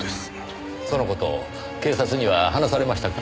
その事警察には話されましたか？